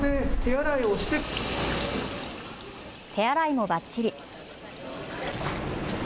手洗いもばっちり。